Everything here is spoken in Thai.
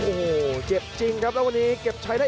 โอ้โหเจ็บจริงครับแล้ววันนี้เก็บใช้ได้